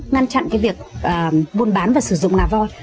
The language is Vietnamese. ngăn chặn việc buôn bán và sử dụng ngà voi